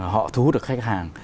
họ thu hút được khách hàng